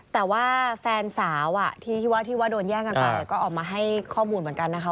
แต่ว่าแฟนสาวที่ว่าที่ว่าโดนแย่งกันไปก็ออกมาให้ข้อมูลเหมือนกันนะคะ